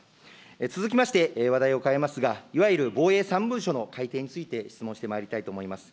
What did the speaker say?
続きまして、話題を変えますが、いわゆる防衛３文書の改定について質問してまいりたいと思います。